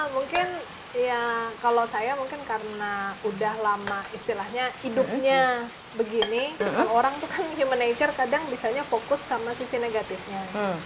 mungkin ya kalau saya mungkin karena udah lama istilahnya hidupnya begini orang tuh kan human nature kadang bisanya fokus sama sisi negatifnya